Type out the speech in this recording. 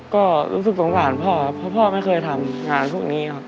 ก็รู้สึกสงสารพ่อครับเพราะพ่อไม่เคยทำงานพวกนี้ครับ